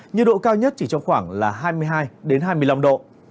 nhiệt độ cao nhất chỉ trong khoảng là hai mươi hai hai mươi năm độ